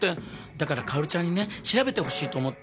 だから薫ちゃんにね調べてほしいと思って。